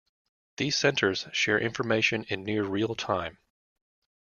These centers share information in near real-time.